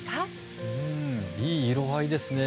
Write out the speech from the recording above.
いい色合いですね。